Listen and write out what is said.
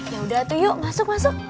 yaudah tuh yuk masuk masuk